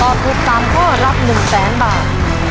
ตอบถูก๓ข้อรับ๑๐๐๐๐๐บาท